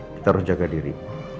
kita harus jaga diri